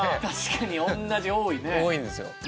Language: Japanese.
確かに同じ多いね多いんですよ